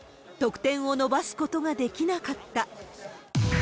得点を伸ばすことができなかった。